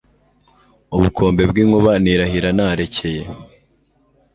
Ubukombe bw'inkuba nirahira narekeye!